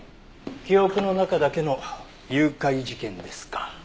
記憶の中だけの誘拐事件ですか。